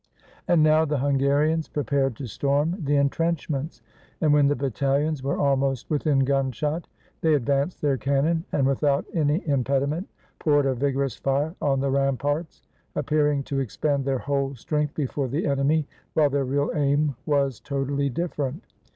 And now the Hungarians prepared to storm the in trenchments; and when the battalions were almost within gunshot, they advanced their cannon, and with out any impediment poured a vigorous fire on the ram parts — appearing to expend their whole strength before the enemy, while their real aim was totally different.